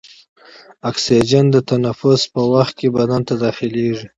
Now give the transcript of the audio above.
اکسیجن د تنفس په وخت کې بدن ته داخلیږي.